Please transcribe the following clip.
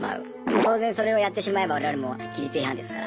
当然それをやってしまえば我々も規律違反ですから。